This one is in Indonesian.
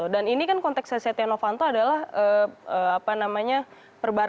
dan ini kan konteksnya setia novanto adalah perbarengan tindak pidana